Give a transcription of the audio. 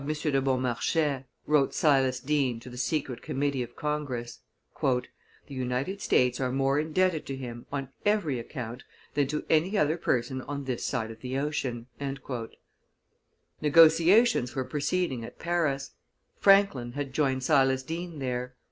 de Beaumarchais," wrote Silas Deane to the secret committee of Congress: "the United States are more indebted to him, on every account, than to any other person on this side of the ocean." Negotiations were proceeding at Paris; Franklin had joined Silas Deane there.